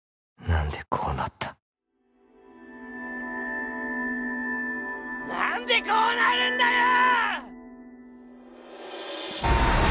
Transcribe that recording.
何でこうなった何でこうなるんだよー！